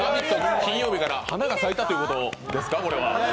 金曜日から花が咲いたということですか。